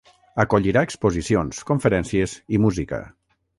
Acollirà exposicions, conferències i música.